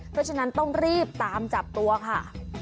เพราะฉะนั้นต้องรีบตามจับตัวค่ะ